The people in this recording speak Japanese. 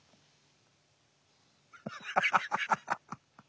ハハハハハハッ！